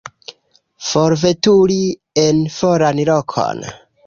Forveturi en foran lokon.